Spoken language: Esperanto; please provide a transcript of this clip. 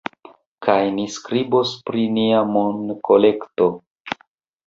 Kaj ni skribos pri nia monkolekto